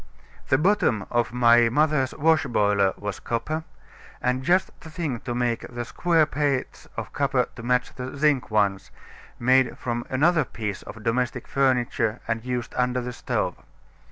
The bottom of my mother's wash boiler was copper, and just the thing to make the square plates of copper to match the zinc ones, made from another piece of domestic furniture used under the stove.